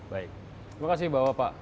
baik terima kasih bapak